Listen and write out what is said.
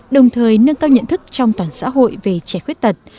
đồng thời nâng cao nhận thức trong toàn xã hội về trẻ khuyết tật